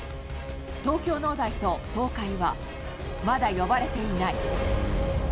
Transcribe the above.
東京農大と東海は、まだ呼ばれていない。